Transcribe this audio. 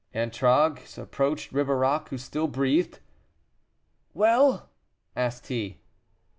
Antragues approached Ribeirac, who still breathed. "Well?" asked he.